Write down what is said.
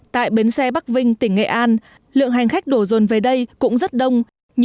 tại bến xe bắc vinh tỉnh nghệ an lượng hành khách đổ dồn về đây cũng rất đông